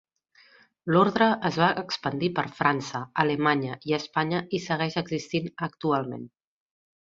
L"ordre es va expandir per França, Alemanya i Espanya i segueix existent actualment.